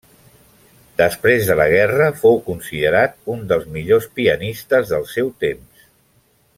Després de la guerra fou considerat un dels millors pianistes del seu temps.